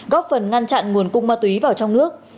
góp phần ngăn chặn nguồn cung ma túy vào trong nước